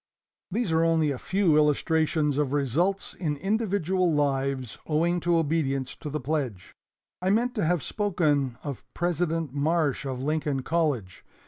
"These are only a few illustrations of results in individual lives owing to obedience to the pledge. I meant to have spoken of President Marsh of Lincoln College.